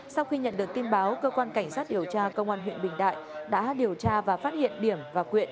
sau khi nhận được tin báo cơ quan cảnh sát điều tra công an huyện bình đại đã điều tra và phát hiện điểm và quyện